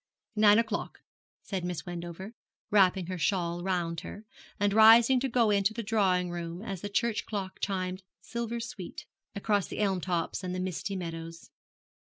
'Nine o'clock,' said Miss Wendover, wrapping her shawl round her, and rising to go into the drawing room as the church clock chimed silver sweet across the elm tops and the misty meadows.